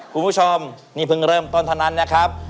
คุณผู้ชมนี่เพิ่งเริ่มต้นเท่านั้นนะครับ